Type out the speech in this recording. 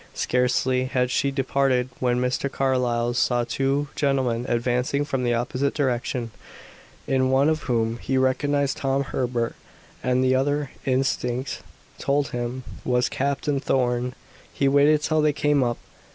Scarcely had she departed when Mr. Carlyle saw two gentlemen advancing from the opposite direction, in one of whom he recognized Tom Herbert, and the other instinct told him was Captain Thorn. He waited till they came up.